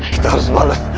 kita harus bales